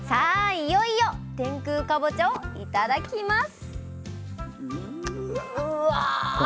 いよいよ天空かぼちゃを頂きます！